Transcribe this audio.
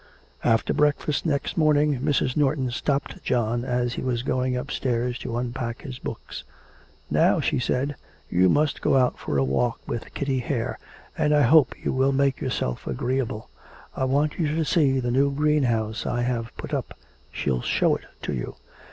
After breakfast next morning Mrs. Norton stopped John as he was going upstairs to unpack his books. 'Now,' she said, 'you must go out for a walk with Kitty Hare, and I hope you will make yourself agreeable. I want you to see the new greenhouse I have put up; she'll show it to you.